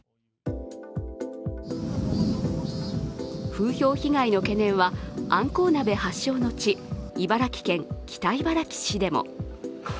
風評被害の懸念は、あんこう鍋発祥の地、茨城県北茨城市でも。